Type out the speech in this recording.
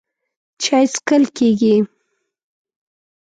چای څښل کېږي.